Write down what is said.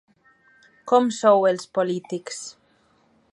Com sou els polítics…